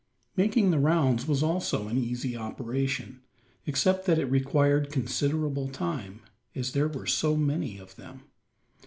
Making the rounds was also an easy operation except that it required considerable time, as there were so many of them.